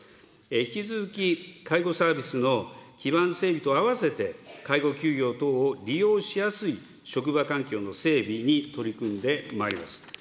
引き続き、介護サービスの基盤整備と併せて、介護休業等を利用しやすい職場環境の整備に取り組んでまいります。